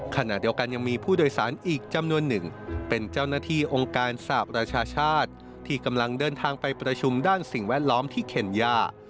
ขณะเดียวกันยังมีผู้โดยสารอีกจำนวนหนึ่งเป็นเจ้าหน้าที่องค์การสหประชาชาติที่กำลังเดินทางไปประชุมด้านสิ่งแวดล้อมที่เคนย่า